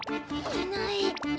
いない！